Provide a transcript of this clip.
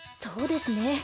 そうですね。